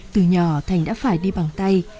từ nhỏ thành đã phải đi bằng tay